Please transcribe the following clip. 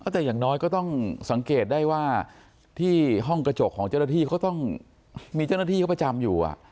แต่อย่างน้อยก็ต้องสังเกตได้ว่าที่ห้องกระจกของเจ้าหน้าที่เขาต้องมีเจ้าหน้าที่เขาประจำอยู่